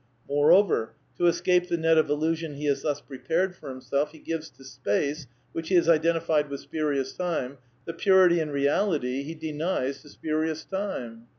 Moreover, to escape the net of illusion he has thus prepared for himself, he gives to space — which he has identified with spurious time — the purity and reality he denies to spurious time.